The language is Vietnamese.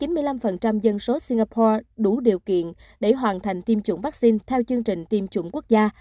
nhiều dân số singapore đủ điều kiện để hoàn thành tiêm chủng vaccine theo chương trình tiêm chủng quốc gia